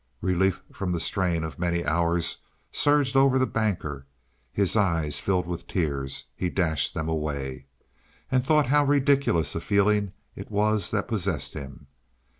Relief from the strain of many hours surged over the Banker. His eyes filled with tears; he dashed them away and thought how ridiculous a feeling it was that possessed him.